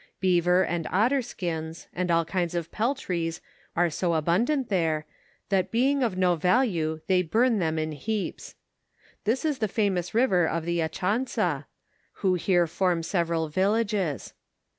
Beaver and otter skins, and all kinds of peltries, are so abundant there, that being of no value they burn them in heaps. This is the famous river of the Achansa, who here form several villages.